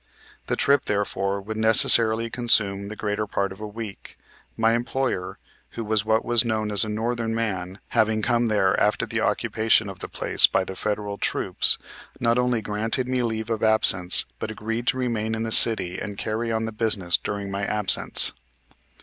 The trip, therefore, would necessarily consume the greater part of a week. My employer, who was what was known as a Northern man, having come there after the occupation of the place by the Federal troops, not only granted me leave of absence but agreed to remain in the city and carry on the business during my absence.